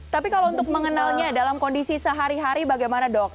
tapi kalau untuk mengenalnya dalam kondisi sehari hari bagaimana dok